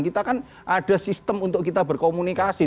kita kan ada sistem untuk kita berkomunikasi